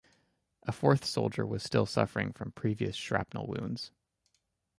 A fourth soldier was still suffering from previous shrapnel wounds.